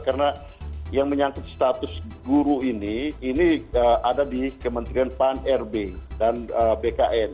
karena yang menyangkut status guru ini ini ada di kementerian pan rb dan bkn